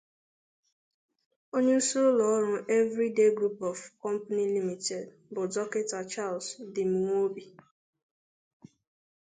onyeisi ụlọ ọrụ 'Everyday Group of Company Ltd' bụ Dọkịta Charles Dimnwaobi